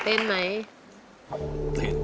เพลงแรกของเจ้าเอ๋ง